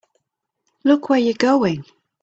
Look where you're going!